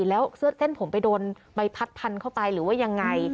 แล้วเสื้อเส้นผมไปโดนใบพัดพันเข้าไปหรือว่ายังไง